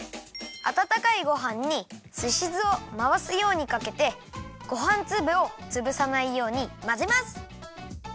あたたかいごはんにすし酢をまわすようにかけてごはんつぶをつぶさないようにまぜます！